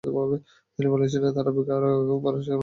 তিনি বলেছিলেন, তার আবেগ আগে ও পরে সব সমান ছিল।